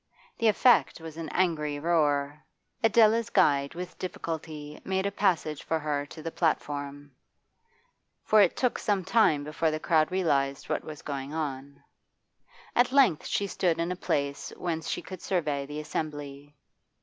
The effect was an angry roar. Adela's guide with difficulty made a passage for her to the platform, for it took some time before the crowd realised what was going on. At length she stood in a place whence she could survey the assembly.